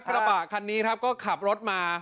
กระบะคันนี้ครับก็ขับรถมา